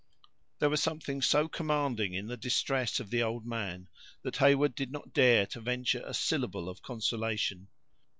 There was something so commanding in the distress of the old man, that Heyward did not dare to venture a syllable of consolation.